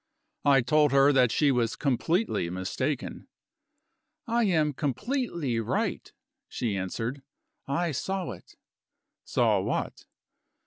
I told her that she was completely mistaken. "I am completely right," she answered; "I saw it." "Saw what?"